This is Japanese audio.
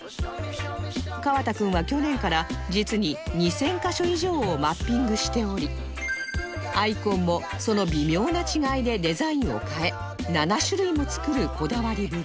川田君は去年から実に２０００カ所以上をマッピングしておりアイコンもその微妙な違いでデザインを変え７種類も作るこだわりぶり